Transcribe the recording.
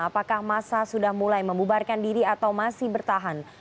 apakah masa sudah mulai membubarkan diri atau masih bertahan